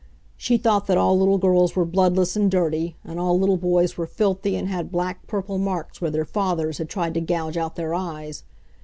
She thought that all little girls were bloodless and dirty, and all little boys were filthy and had black purple marks where their fathers had tried to gouge out their eyes.